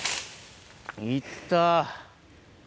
行った。